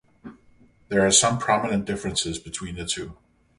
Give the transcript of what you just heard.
There are some prominent differences between the two.